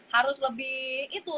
harus lebih itu